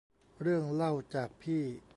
เรื่องเล่าจากพี่